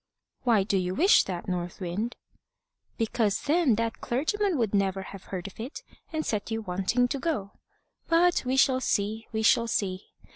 "Why do you wish that, North Wind?" "Because then that clergyman would never have heard of it, and set you wanting to go. But we shall see. We shall see.